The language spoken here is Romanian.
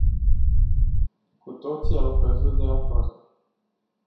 Cu toții au căzut de acord.